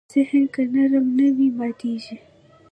ذهن که نرم نه وي، ماتېږي.